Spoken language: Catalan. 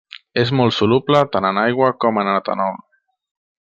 És molt soluble tant en aigua com en etanol.